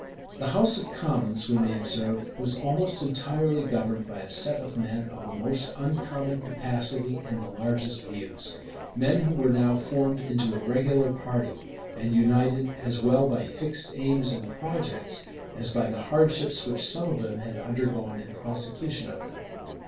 The house of commons, we may observe, was almost entirely governed by a set of men of the most uncommon capacity and the largest views; men who were now formed into a regular party, and united, as well by fixed aims and projects, as by the hardships which some of them had undergone in prosecution of them.